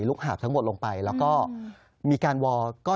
หาบทั้งหมดลงไปแล้วก็มีการวอลก็